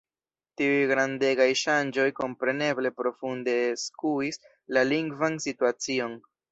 Tiuj grandegaj ŝanĝoj kompreneble profunde skuis la lingvan situacion.